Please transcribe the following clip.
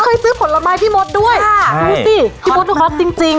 เคยซื้อผลไม้พี่มดด้วยนี่สิพี่มดเนื้อคอสจริง